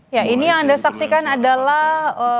ya ini yang anda saksikan adalah